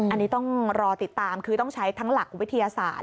อันนี้ต้องรอติดตามคือต้องใช้ทั้งหลักวิทยาศาสตร์